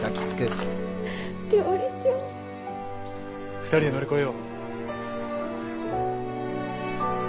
２人で乗り越えよう。